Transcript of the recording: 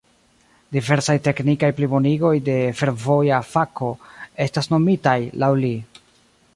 Diversaj teknikaj plibonigoj de la fervoja fako estas nomitaj laŭ li.